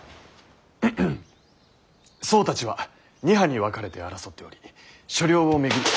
僧たちは二派に分かれて争っており所領を巡り。